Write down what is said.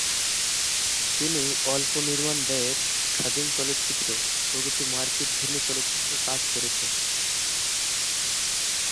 তিনি অল্প-নির্মাণ ব্যয়ের, স্বাধীন চলচ্চিত্র ও কিছু মারপিটধর্মী চলচ্চিত্রে কাজ করেছেন।